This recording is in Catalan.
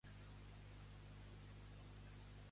El Víctor escolta en silenci?